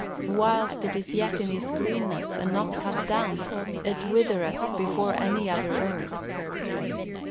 Whilst it is yet in his greenness, and not cut down, it withereth before any other herb."